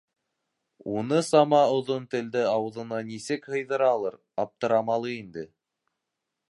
Унысама оҙон телде ауыҙына нисек һыйҙыралыр, аптырамалы инде.